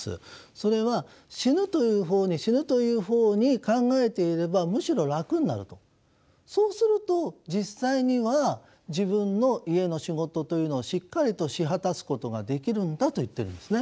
それは死ぬという方に死ぬという方に考えていればむしろ楽になるとそうすると実際には自分の家の仕事というのをしっかりとし果たすことができるんだと言ってるんですね。